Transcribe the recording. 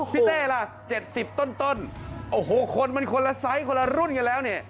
เต้ล่ะ๗๐ต้นโอ้โหคนมันคนละไซส์คนละรุ่นกันแล้วเนี่ย